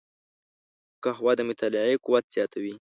قهوه د مطالعې قوت زیاتوي